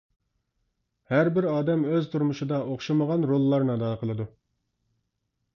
ھەر بىر ئادەم ئۆز تۇرمۇشىدا ئوخشىمىغان روللارنى ئادا قىلىدۇ.